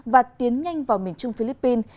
và tiến nhanh vào miền trung philippines